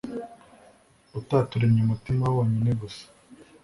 utaturemye umutima wonyine gusa